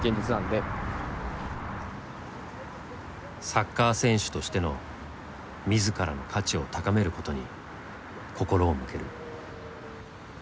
サッカー選手としての自らの価値を高めることに心を向ける。